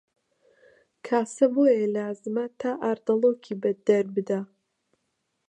کاسە بۆیە لازمە تا ئاردەڵۆکی دەربدا